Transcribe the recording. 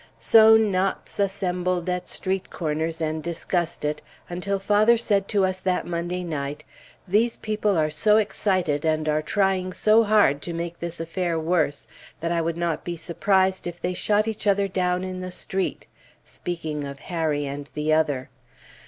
So knots assembled at street corners, and discussed it, until father said to us that Monday night, "These people are so excited, and are trying so hard to make this affair worse, that I would not be surprised if they shot each other down in the street," speaking of Harry and the other.